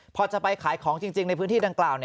พอจะไปขายของจริงในพื้นที่ดังกล่าว